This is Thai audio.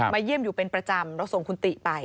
เยี่ยมอยู่เป็นประจำเราส่งคุณติไป